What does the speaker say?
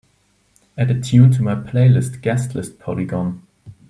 Add a tune to my playlist Guest List Polygon